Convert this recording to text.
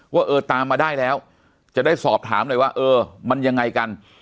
ว่าเออตามมาได้แล้วจะได้สอบถามหน่อยว่าเออมันยังไงกัน